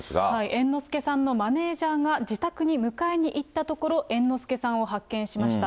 猿之助さんのマネージャーが自宅に迎えに行ったところ、猿之助さんを発見しました。